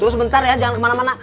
dulu sebentar ya jangan kemana mana